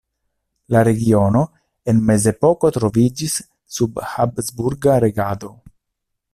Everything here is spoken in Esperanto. La regiono en mezepoko troviĝis sub habsburga regado.